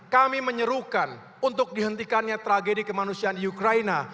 kami menyerukan untuk dihentikannya tragedi kemanusiaan di ukraina